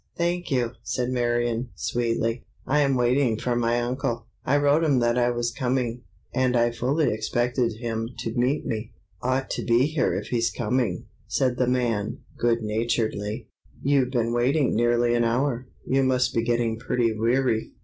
"Thank you," said Marion, sweetly. "I am waiting for my uncle. I wrote him that I was coming, and I fully expected him to meet me." "Ought to be here if he's coming," said the man, good naturedly; "you've been waiting nearly an hour. You must be getting pretty weary."